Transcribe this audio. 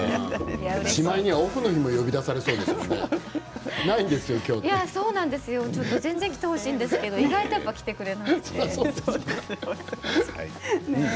しまいにはオフの日も呼び出されそうですね。来てほしいんですけれども意外と来てくれないです。